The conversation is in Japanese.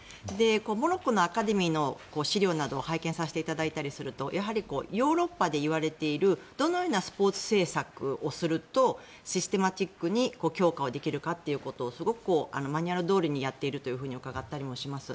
モロッコのアカデミーの資料などを拝見させていただいたりするとやはりヨーロッパで言われているどのようなスポーツ政策をするとシステマチックに強化できるかということをすごくマニュアルどおりにやっていると伺ったりもします。